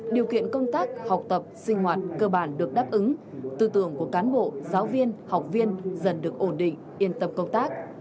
điều kiện công tác học tập sinh hoạt cơ bản được đáp ứng tư tưởng của cán bộ giáo viên học viên dần được ổn định yên tâm công tác